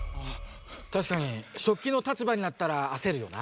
たしかにしょっきの立場になったらあせるよな。